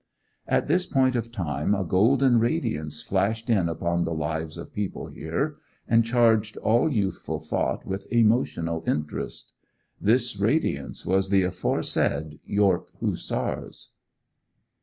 At this point of time a golden radiance flashed in upon the lives of people here, and charged all youthful thought with emotional interest. This radiance was the aforesaid York Hussars.